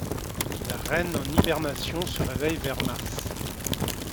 La reine en hibernation se réveille vers mars.